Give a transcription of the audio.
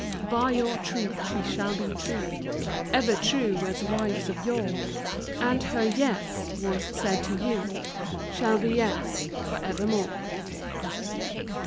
By your truth she shall be true — Ever true, as wives of yore ; And her Yes once said to you, Shall be Yes for evermore.